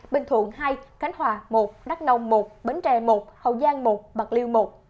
bình thuận hai khánh hòa một đắk nông một bến tre một hậu giang một bạc liêu một